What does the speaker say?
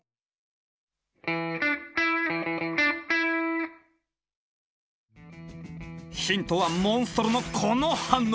次にＢのヒントはモンストロのこの反応。